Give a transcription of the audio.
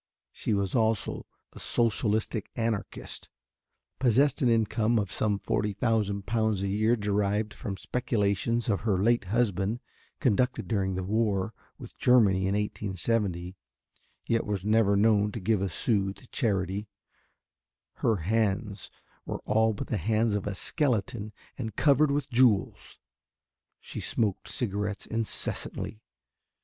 She was also a Socialistic Anarchist, possessed an income of some forty thousand pounds a year derived from speculations of her late husband conducted during the war with Germany in 1870, yet was never known to give a sou to charity; her hands were all but the hands of a skeleton and covered with jewels, she smoked cigarettes incessantly.